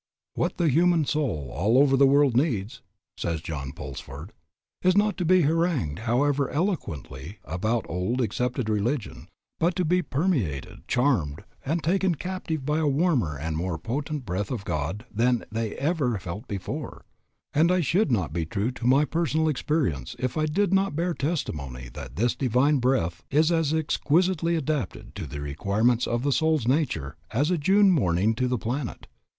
"What the human soul, all the world over, needs," says John Pulsford, "is not to be harangued, however eloquently, about the old, accepted religion, but to be permeated, charmed, and taken captive by a warmer and more potent Breath of God than they ever felt before. And I should not be true to my personal experience if I did not bear testimony that this Divine Breath is as exquisitely adapted to the requirements of the soul's nature as a June morning to the planet.